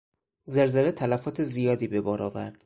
زلزله تلفات زیادی به بار آورد.